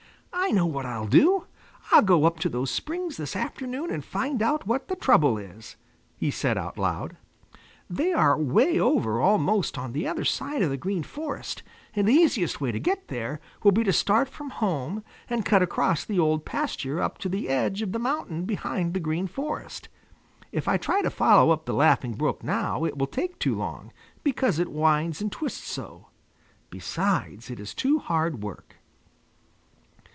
"I know what I'll do! I'll go up to those springs this afternoon and find out what the trouble is," he said out loud. "They are way over almost on the other side of the Green Forest, and the easiest way to get there will be to start from home and cut across the Old Pasture up to the edge of the Mountain behind the Green Forest. If I try to follow up the Laughing Brook now, it will take too long, because it winds and twists so. Besides, it is too hard work."